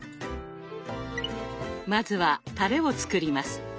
まずはタレを作ります。